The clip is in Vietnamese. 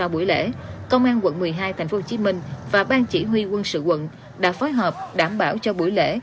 buổi lễ công an quận một mươi hai tp hcm và ban chỉ huy quân sự quận đã phối hợp đảm bảo cho buổi lễ